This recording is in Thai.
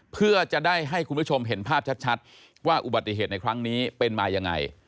เพื่อจะได้ให้คุณผู้ชมเห็นภาพชัดว่าอุบัติเหตุในครั้งนี้เป็นมายังไง